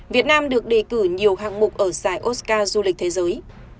việt nam được đề cử nhiều hàng mục ở giải oscar du lịch thế giới